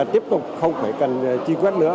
tiếp tục không phải cần truy quét nữa